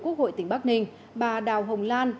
quốc hội tỉnh bắc ninh bà đào hồng lan